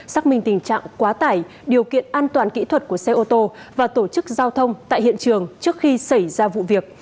xác minh tình trạng quá tải điều kiện an toàn kỹ thuật của xe ô tô và tổ chức giao thông tại hiện trường trước khi xảy ra vụ việc